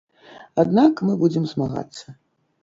Аднак мы будзем змагацца.